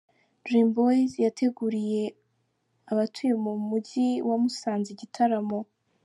Dream Boyz yateguriye abatuye mu mujyi wa Musanze igitaramo.